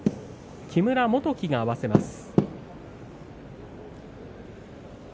木村元基が合わせます。